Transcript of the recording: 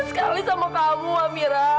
sekali sama kamu amira